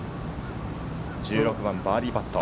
１６番、バーディーパット。